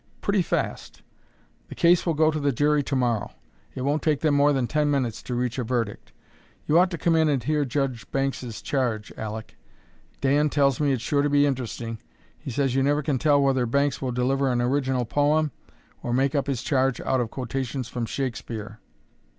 "Pretty fast; the case will go to the jury to morrow. It won't take them more than ten minutes to reach a verdict. You ought to come in and hear Judge Banks's charge, Aleck. Dan tells me it's sure to be interesting. He says you never can tell whether Banks will deliver an original poem or make up his charge out of quotations from Shakespeare."